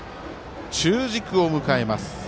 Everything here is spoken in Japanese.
中軸を迎えます。